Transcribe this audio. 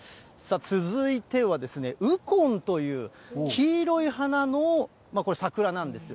続いてはですね、鬱金という黄色い花のこれ、桜なんです。